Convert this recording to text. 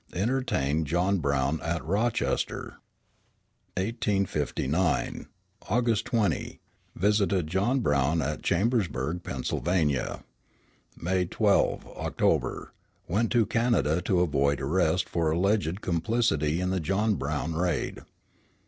Entertained John Brown at Rochester. 1859 August 20. Visited John Brown at Chambersburg, Pennsylvania. May 12 [October]. Went to Canada to avoid arrest for alleged complicity in the John Brown raid.